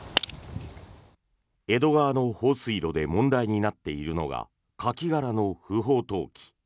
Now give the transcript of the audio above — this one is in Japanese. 江戸川の放水路で問題になっているのがカキ殻の不法投棄。